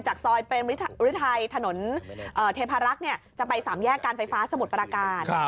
จากซอยเป็นริทัยถนนเทพารักษ์เนี่ยจะไปสามแยกการไฟฟ้าสมุทรปราการ